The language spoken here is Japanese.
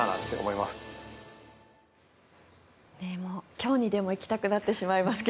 今日にでも行きたくなってしまいますが。